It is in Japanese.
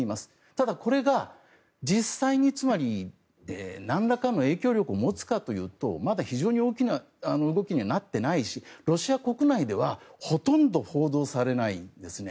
ただ、これが実際に何らかの影響力を持つかというとまだ非常に大きな動きにはなっていないしロシア国内ではほとんど報道されないんですね。